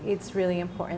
itu sangat penting